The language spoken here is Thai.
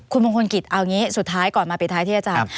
คุณมงคลกิจเอาอย่างนี้สุดท้ายก่อนมาปิดท้ายที่จะจับ